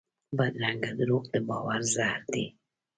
بدرنګه دروغ د باور زهر دي